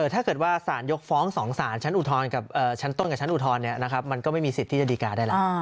ถ้าเกิดว่าสารยกฟ้อง๒สารชั้นอุทธรณ์กับชั้นต้นกับชั้นอุทธรณ์มันก็ไม่มีสิทธิ์ที่จะดีการ์ได้แล้ว